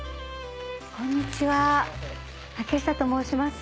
こんにちは竹下と申します。